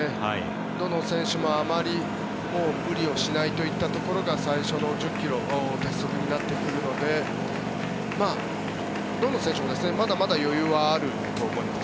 どの選手もあまり無理をしないといったところが最初の１０ｋｍで鉄則になってくるのでどの選手もまだまだ余裕はあると思います。